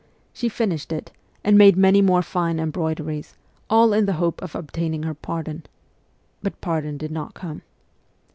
She finished it, and made many more fine embroideries, all in the hope of obtaining her pardon. But pardon did not come.